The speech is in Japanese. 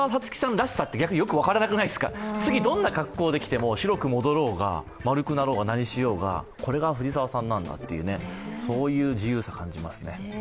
らしって、分からなくないですか、次どんな格好できても白く戻ろうが丸くなろうが何しようがこれが藤澤さんなんだという自由さを感じますね。